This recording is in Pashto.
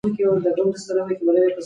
لوستې میندې د ماشومانو د خوب ځای پاکوي.